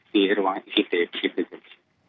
di rumah sakit islam